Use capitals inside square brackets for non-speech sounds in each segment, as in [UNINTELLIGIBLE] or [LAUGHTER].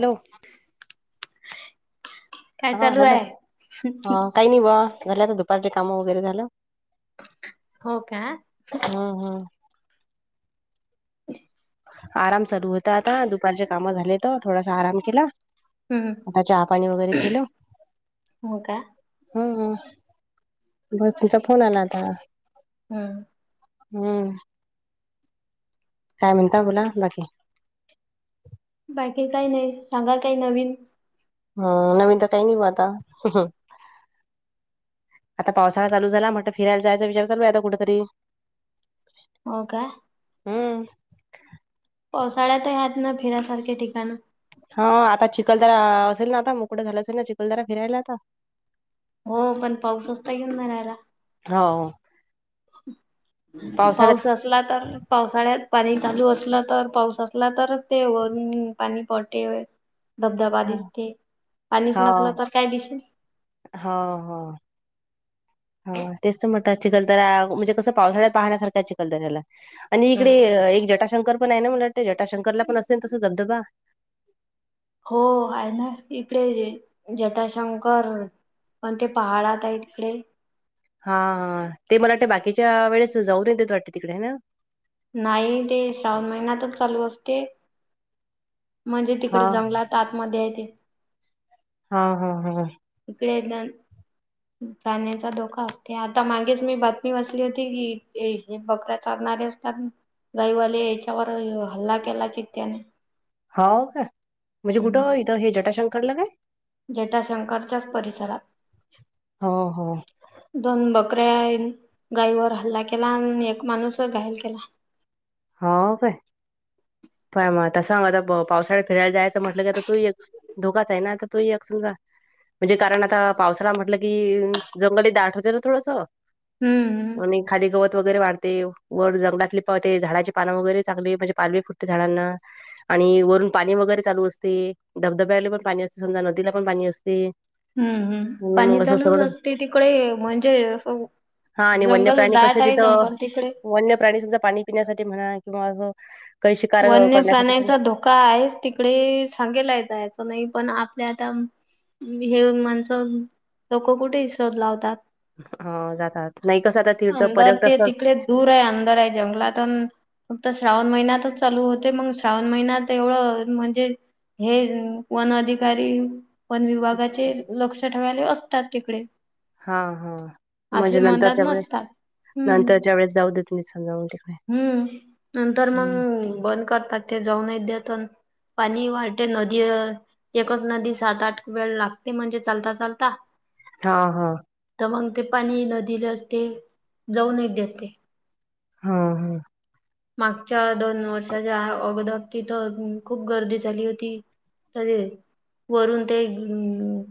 Hello [INAUDIBLE] काय हा चालू हॅलो आहे? हा काही नाही ब झालं आता दुपारचे काम वगैरे झालं हो का हम्म हम्म ह आराम चालू होता आता दुपारच्या काम झाले तर थोडासा आराम केला. हम्म. ह चहा पाणी वगैरे केलं हो का? हम्म बस तुमचा फोन आला आता हम्म हम्म काय म्हणता बोला बाकी? बाकी काही नाही सांगा काही नवीन हम्म नवीन तर काही नाही आता आता पावसाळा चालच झाला म्हटं फिरायला जायचा विचार चालू आहे कुठेतरी. हो का हम्म पावसाळ्यात यात ना फिऱ्यासारखे ठिकाण हा आता चिखलदरा असेल ना आता मोकडं झालं असेल ना चिखलदरा फिरायला आता हो पण पाऊस असता घेऊन राहिला हो पावसाळ्यात पाऊस असला तर? पावसाळ्यात पाणी चालू असलं तर पाऊस असला तरच ते वरून पाणी पटे ह धबधबा दिसते पाणीच नसलं हो तर काय दिसेल हो हो हा तेच तर म्हणतं चिखलदराया म्हणजे कसं पावसाळ्यात पाहण्यासारख्या चिखलदऱ्याला आणि हम्म. इकडे एक जटाशंकर पण आहे ना मला वाटतं जटाशंकरला पण असेल तसं धबधबा हो आहे ना इकडे जटाशंकर मग ते पहाडात आहेत तिकडे हा ते मला वाटते बाकीच्या वेळेस जाऊन द येतेत वाटते तिकडे आहे ना नाही ते श्रावण महिन्यातच चालू असते म्हणजे हा तिकडे जंगलात आतमध्ये आहे ते हा हा हा इकडे येत प्राण्याचा धोका असते आता मागेच मी बातमी बसली होती की हे बकरा चालणारे अस जाईवाले याच्यावर हल्ला केला चित्याने हो का म्हणजे कुठं इथं हे जटाशंकरला काय जटाशंकरच्याच परिसरात हो हो दोन बकऱ्या गाईवर हल्ला केला आणि एक माणूस घायल केला हो काय काय मग तस सांग आता पावसाळ्यात फिरायला जायचं म्हटलं की आता तू एक धोकाच आहे ना आ तर तू एक समजा म्हणजे कारण आता पावसाला म्हटलं की जंगलीत दाट होते ना थोडंस हम्म आणि खाली गवत वगैरे वाढते वर जंगलातली पावते झाडा पान वगरेगली म्हणजे पालवी फुटते झाडांना आणि वरून पाणी वगैरे चालू असते धबधब्याला पण पाणी असते समजा नदीला पण पाणी असते हम्म हम् आणि पाणी मग असं चालूच सगळं असते तिकडे म्हणजे अस हा आणि वन्य प्राणी कसे तिथं वन्य प्राणी सुद्धा पाणी पिण्यासाठी म्हणा किंवा अस काही शिकार करण्यासाठी का आहेच तिकडे सांगेला जायचं नाही पण आपल्या आता हे माणसं लोक कुठे इशध लावतात ह जातात नाही कसं आता तीर्थ अंदर ते पर्यटस्थ तिकडे दूर आहे अंंदर आहे जंगलातून फक्त श्रावण महिन्यातच चालू होते मग श्रावण महिन्यात एवढं म्हणजे हे वन अधिकारी पण विभागाचे लक्ष ठेवायले असतात तिकडे हा हा असे म्हणजे नंतर मधात त्या वळेस नसतात नंतर हम्म. ज्या वेळेस जाऊ देत मी समजावून तिकडे हम्म नंतर ह मग बंद करतात ते जाऊन य द तर पाणी वाढते नदी एकच नदी सात आठ वेळ लागते म्हणजे लता चालता हा हा तर मग ते पाणी नदीला असते जाऊन येत देते हम ह मागच्या दोन वर्षाच्या अगद तिथं खूप गर्दी झाली होती त वरून ते अ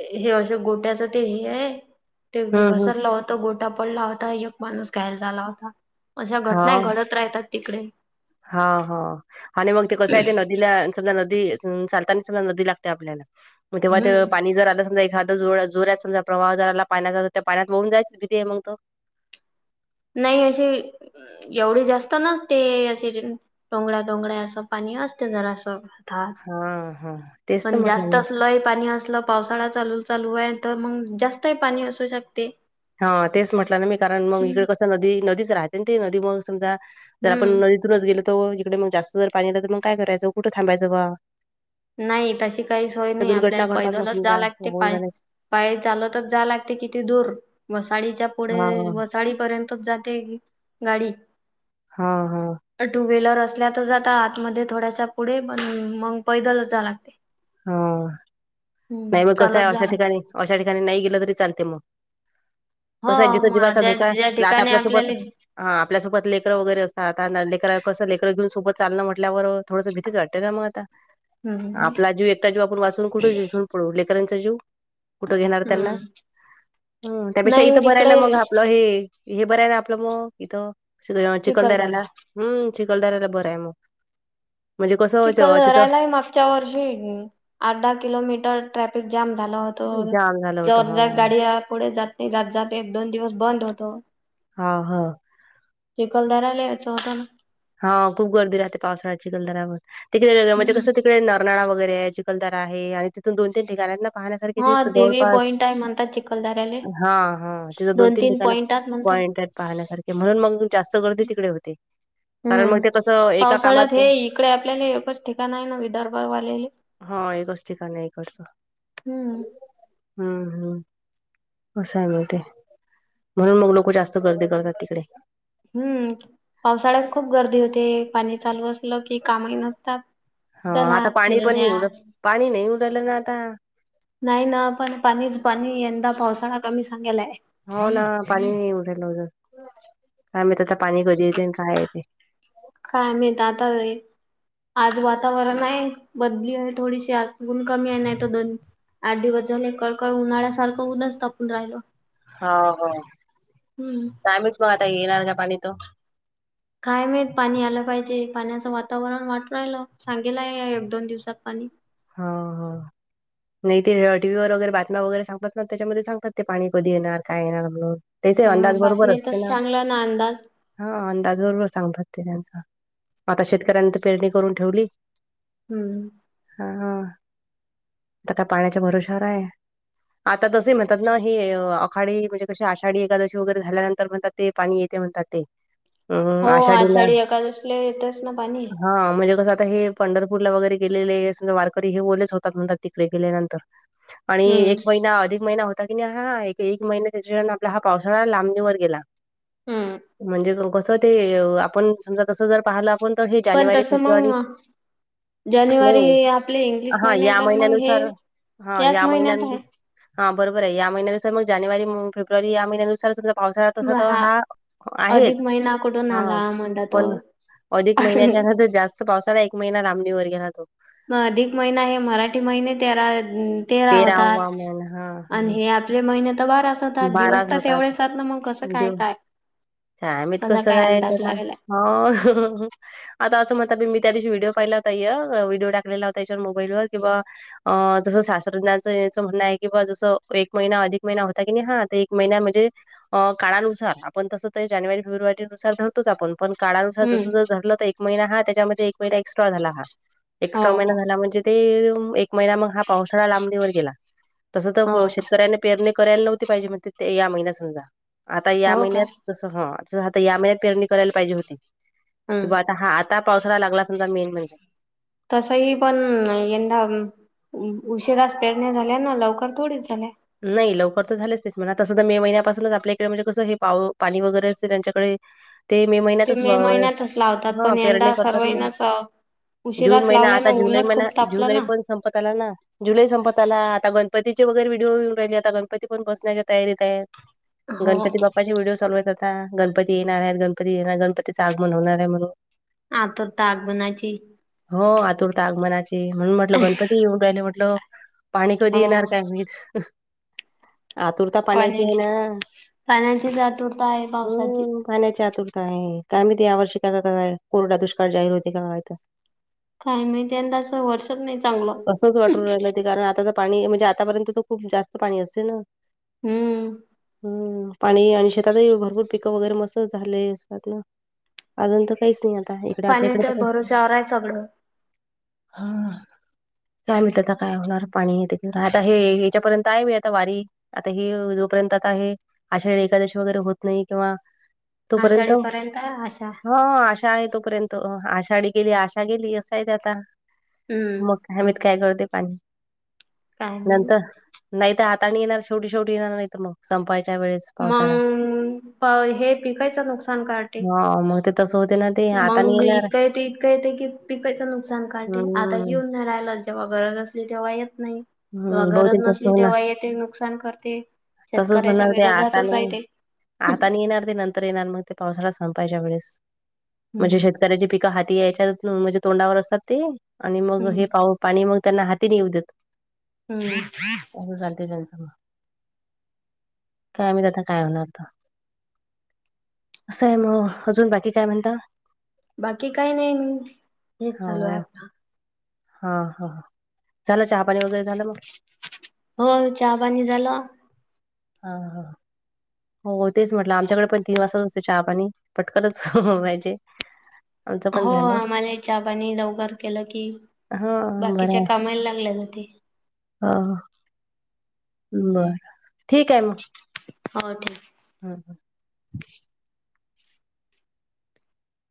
हे अशं गोट्याचं ते हे आहे ते हम्म हम्म घसरलं होतं गोटा पडला होता एक माणूस घायल झाला होता अशा घट हा राहतात तिकडे हा हा आणि मग ते कसं आहे ते नदीला सग नदी चालता सग नदी लागते आपल्यालाग तेव्हा ते हम्म पाणी जर आलं समजा एखा जो जोरात सजा प्रवाह जराला पाण्याचा तर त्या पाण्यात वाऊन जायचीच भीती आहे मग तो नाही अे एवढे जास्त ना ते अस टडोंगळा्या टडोंगळ्या असं पाणी असते जरा असंात हा हा तेच तर पण म्हटलं जास्त मी असलंय पाणी असलं पावसाळा चालू चालू आहे तर मग जास्त पाणी असू शकते हा तेच म्हटलं ना मी कारण मग इकडे हम्म. कसं नदी नदीच राहते ना ते नदी मग समजा जर आपण हम्म नदीतूनच गेलो ज इकडे मगस्तर पाणी यलं तर मगयरायचं कुठं थांबायचं बा नाही तशी काही स होय त्या नाही दुर्घटना आपल्याला घडतात मग पैदलच जा समजा लागते वाहून पाय जाण्याची पाय चाल तर जा लागते किती दूर वसाडीच्या हा पुढे साळी पर्यंतच जाते गाडी हा हा टू व्हीलर असल्यातच आता आतमध्ये थोड्याशा पुढे पण मग पैदल जा लागते हो हम्म नाही मग कसं आहे चालत जावं अशा लागते. ठिकाणी अशा ठिकाणी नाही गेलं तरी चालते मग हो कस आहे मग जिथजीवाचा ज्या धोका ज्या रात ठिकाणी आपल्यासोबत आपल्याला हा आपल्यासोबत लेकरं वगैरे असतातता कर कसं लेकरं घेऊन सोबत चालणंटल्यावर थोडं भीतीच वाटते ना मग आता हमम आपला जीव एकटा जीव आपण वाचून कुठे घेण पडू लेकरांचा जीव कुठं घेणार त्यांना हम्म हम् त्यापेक्षा नाही इथं बरय ना तिकडे मग आपलं हे हे बरं आहे ना आपलं मग इथं चिखलदऱ्याला चिखलदरा हम्म चिखलदऱ्याला बरं आहे मग म्हणजे कसं चिखल होतं तिथं रायला आहे मागच्या वर्षी आठ दहा किलोमीटर ट्रॅफिक जाम झालं होत जाम झालं होतं हा जरद गाडया पुढे जात नाही जात जात एक दोन दिवस बंद होतो हा हा ज कलदारा च होता ना हा खूप गर्दी राहते पावसाळ्याची गलदरावर तिकडे म्हणजे कसं हम्म तिकडे नाळा वगैरे आहे चिखलदरा आहे आणि तिथून दोन तीन ठाांना पाहण्यासारख हा त देवी जवळपास पॉईंट आहे म्हणतात चिखलदऱ्याले हा हा तिथ दोन तीन ठिकाण पॉईंट आहेत म्हणतात पॉइंट आहे पाहण्यासारखे म्हणून मग जास्त गर्दी तिकडे होते कारण हम्म मग ते कसं एका पावसाळ्यात कामात हे इकडे आपल्याला एच ठिकाण आहे ना विदर्भ वालेले हा एकच ठिकाण एककडचं हम्म हम्म हम्म असंय मिळते म्हणून मग लोक जास्त गर्दी करतात तिकडे हम्म पावसाळ्यात खूप गर्दी होते पाणी चालू असलं की कामही नसतात हा चला आता पाणी पण नाही फिरण्या उड पाणी नाही उडलं ना आता नाही ना पण पाणीच पाणी यंदा पावसाळा कमी सांगायला आहे हो ना पाणी नाही उठायलाजं काय म्हत आता पाणी कधी येते आणि काय येते कायम आता आज वातावरण आहे बदली आहे थोडीशी आज गुून कमी आहे नाही त दन आठ दि वाज झाले कळकळ उन्हाळ्यासारखं उद्याच तापून राहिल हो हो हम्म. कामच मग आता येणार का पाणी त काय मेत पाणी आलं पाहिजे पाण्याचं वातावरण वाट राहिलं सांगेलं आहे एक दोन दिवसात पाणी हा हा नाही ते टीव्ही वगैरे बातम वगैरेांगत ना त्याच्यामध्ये सांगात ते पाणी कधी येणार काय येणार म्हणून त्याचे हा अंदाज बरोबर बातम्या तर असते ना चांगला अंदाज हा अंदाज बरोबर सांगतात ते त्यांचा आता शेतकऱ्यां तर पेरणी करून ठेवली हम्म हा हा आता काय पाण्याच्या भरशार आहे आता तसे म्हणतात ना हे आखाडी म्हणजे कशी आषाढी एकादशी वगैरे झाल्यानंतर म्हणतात ते पाणी येते म्हणतात ते अम हो आषाढीला आषाढी एकादशीला येतच ना पाणी. हा म्हणजे कसं आता हे पंढरपूरला वगैरे गेलेले समजा वारकरी हे बोललेच होतात म्हणतात तिकडे गेल्यानंतर आणि हम्म एक महिना अधिक महिना होता की नाही हा एक एक महिना त्याच्या वे आपला हा पावसाळा लांबणीवरर गेला हम्म म्हणजे कसं ते आपण समजा तस जर पाहिलं आपण तर हे पण जानेवारी तसं फेब्रुवारी मग नाही जानेवारी आपले इंग्लिश हा महिन्यात या तर मग हे महिन्यानुसार हा याच या महिन्यात महिन्यानु आहे. हा बरोबर आहे या महिन्यानुसार मग जानेवारी फेब्रुवारी या महिन्यानुसार पावसाळा्या तसा तर हा अधिक आहेच महिना कुठून हा आला म्हणला पण, तर अधिक महिन्याच्यार जास्त पावसाला एक महिना राबणीवर गेला तो. मग अधिक महिना हे मराठी महिने तेरा तेरा तेरावा होतात महिना हा आणि हा हे. महिने द बारा स. दिवस बाराच तर होतात तेवढेचात ना मग कसं काय देव काय कसा काय अंदाज लागेलाय. हो, आता असं म्हणताी मी त्या दिवशी व्हिडिओ पाहिला होताय व्हिडओ टाकलेला होता याच्यावर मोबाईलवर किंवा. अ तसं शास्त्रज्ञांचं याचं म्हणणं आहे कि बा जसं एक महिना अधिक महिना हो. ता क हा आता एक महिना म्हणजे. काळानुसार आपण तसं तर जानेवारी फेब्रुवारी नुसार रतोच आपण पण. काळानुसार हम्म जस ज रलं तर एक महिना हा त्याच्यामध्ये एक महिना एक्स्ट्रा झाला हा हो एक्स्ट्रा महिना हो झाला म्हणजे. ते एक महिना मग हा पावसाळा लांबणीवर गेला तस तर हो का शेतकऱ्याने पेर. करायला नव्हती पाहिजेण ते या महिन्यात समजा आता या हो का महिन्यात. तस ह तस आता या महिन्यात पेरणी करायला पाहिजे होती कि हम्म बा आता हा आ. आता पावसाला लागला समजा मेन म्हणजे. तसही पण यंदा उशिरास पेरण्या झाल्या ना लवकर थोडीच झाल्या. नाही लवकर तर झालेच म्हणा तसं तर मे महिन्यापासूनच आपल्याकडे म्हणजे कसं हे पाव पाणी वगैरे असते त्यांच्याकडे. ते मे ते महिन्यातच मे भाव महिन्यातच लावतात हा पण पेरणे यंदा करतात. सर्वांनाच जून उशिराच महिना लावले ना आता जुलै ऊनच खूप महिना तापलं जुलै ना. पण संपत आला ना. जुलै संपताला आता गणपतीचे वगैरे व्हिडिओ घेऊन राहिले आता गणपती पण बसण्याच्या तयारीत आहेत. हो गणपती बाप्पाचे व्हिडीिओ चालव यतात. आता गणपती येणार आहेत गणपती येणार गणपतीच आग म्हन होणार आहे म्हणून. आ तरोर ताक बनायची. हो आतुरता आगमनाची म्हणून म्हटलं गणपती येऊन राहिले म्हटल. पाणी कधी हो येणार काय म आतुर. पाणायची आहे पाण्याची ना पाण्याचीच आतुरता आहे पावसाची. हम्. पाण्याची आतुरता आहे काय मी ते यावर् श काय का का काय कोरडा दुष्काळ जाहीर होते काय. काय माहिती यंदा असं वर्षच नाही चांगलं. असंच वाटून राहिलं कारण आता तर पाणी म्हणजे आतापर्यंत तर खूप जास्त पाणी असते ना. हम्म. ह पाणी आणि शेतातही भरपूर पिकं वगैरे मस्त झालंय असतात ना. अजून तर काहीच नाही आता इकडे पाण्याच्या आपल्याकडेस. भरोश्यावर आहे सगळं हा काय मित आता काय होणार पाणी येत आता हे. त्याच्यापर्यंत आहे मी आता वारी आता ह जोपर्यंत आता आहे. अशा वेळी एकादशी वगैरे होत नाही किंवा. आषढपर्यंत अशा. हो आशा आहे तोपर्यंत आषाढी गेली आशा गेली असं आहे आता हम्म मग. हमीद काय करते पाणी काय नाही नंतर. नाही तर हाता आणि येणार ेवटी शेवटी येणार नाही तर मग संपायच्या वेळेस. पावसाळा मग हे पिकायचं नुकसान कातेे. ह मग ते. दसोतेना. मग इतकां येते इतकां येते की पिकयचं नुकसान काढे आता हम्म घेऊन नाही राहिला. जेव्हा गरज असली तेव्हा येत नाही. तेव्हा हम्म बहुतेक गरज तसं नसली होणार तेव्हा येते नुकसान करते शेतकऱ्याच्या विरोधातच आहे ते. आता आणि येणार ते नंतर येणार मग ते पावसाळा संपायच्या वेळेस म्हणजे श. हम्म ज पिकं हाती याच्यात म्हणजे तोंडावर असतात ते आणि मग हे हम्म पाऊ. पाणी मग त्यांना हातीने येऊ देत. हम्. अ चालते त्यांच मग काय आ मी त्याता काय होणार तर. असं आहे मग अजून बाकी काय म्हणता? बाकी काही नाही हेच हा चालू आहे आपला. हा हा झालं चहापाणी वगैरे झालं मग. हो चहा पाणी झाला. ह हा. हो तेच म्हटलं आमच्याकडे पण तीन वाजताच असते चहा पाणी पटकनच पाहिजे. हो आम्हाला चहापानी लवकर केलं की हां, बाकीच्या कामाला लागले जाते. ह.. बरं ठीक आहे मग. [UNINTELLIGIBLE] [UNINTELLIGIBLE]